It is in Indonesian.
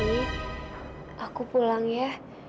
livi aku pulang ya